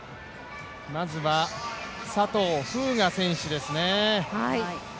まずは佐藤風雅選手ですね。